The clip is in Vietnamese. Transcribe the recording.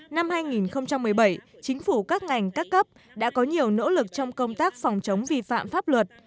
năm hai nghìn một mươi bảy chính phủ các ngành các cấp đã có nhiều nỗ lực trong công tác phòng chống vi phạm pháp luật